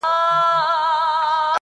پرېږده ستا د تورو ګڼو وریځو د سیلیو زور٫